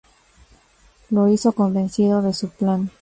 Lo hizo convencido de su plan.